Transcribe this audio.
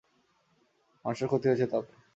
মানুষের ক্ষতি হয়েছে তাতে।